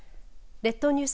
列島ニュース